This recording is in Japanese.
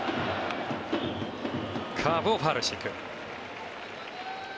カーブをファウルにしていく。